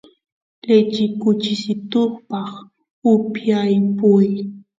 lechi kuchisituspaq upiyapuy